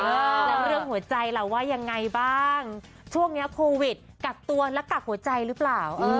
แล้วเรื่องหัวใจล่ะว่ายังไงบ้างช่วงนี้โควิดกักตัวและกักหัวใจหรือเปล่า